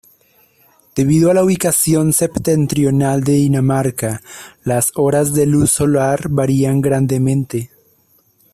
Debido a la ubicación septentrional de Dinamarca, las horas de luz solar varían grandemente.